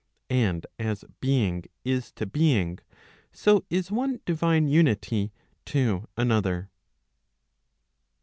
And as being is to being, so is one divine unity to another.